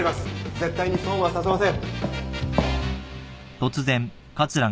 絶対に損はさせません。